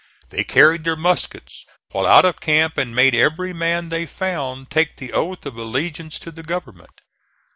They carried their muskets while out of camp and made every man they found take the oath of allegiance to the government.